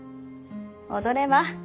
踊れば。